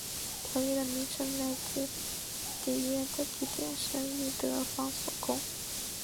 条约的名称来自缔约的地点圣伊德方索宫。